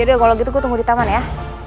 yaudah kalau gitu gue tunggu di taman ya